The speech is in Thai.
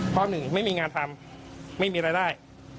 เพราะหนึ่งไม่มีงานทำไม่มีรายได้